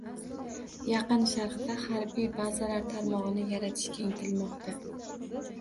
Yaqin Sharqda harbiy bazalar tarmog‘ini yaratishga intilmoqda.